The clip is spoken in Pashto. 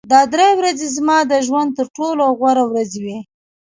دا درې ورځې زما د ژوند تر ټولو غوره ورځې وې